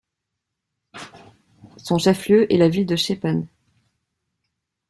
Son chef-lieu est la ville de Chepén.